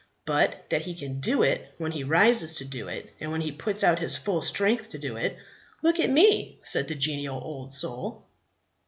But that He can do it when He rises to do it, and when He puts out His full strength to do it Look at me! said the genial old soul.